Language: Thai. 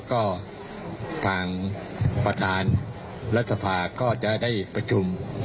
ก็ทางประธานรัฐสภาก็จะได้ประชุม